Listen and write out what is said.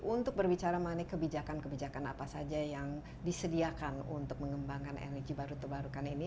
untuk berbicara mengenai kebijakan kebijakan apa saja yang disediakan untuk mengembangkan energi baru terbarukan ini